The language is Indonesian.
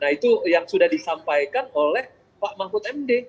nah itu yang sudah disampaikan oleh pak mahfud md